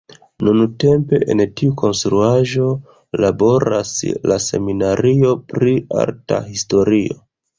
Nuntempe en tiu konstruaĵo laboras la seminario pri arta historio.